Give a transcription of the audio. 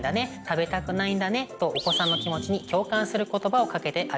「食べたくないんだね」とお子さんの気持ちに共感する言葉をかけてあげてください。